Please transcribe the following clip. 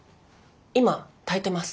今炊いてます。